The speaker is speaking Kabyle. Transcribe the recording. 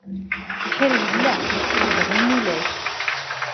Lḥir yella, lebɣi ulac.